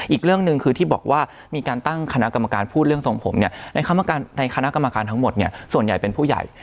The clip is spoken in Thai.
อีกเรื่องหนึ่งคือที่บอกว่ามีการตั้งคณะกรรมการพูดเรื่องทรงผมเนี่ยในคณะกรรมการทั้งหมดเนี่ยส่วนใหญ่เป็นผู้ใหญ่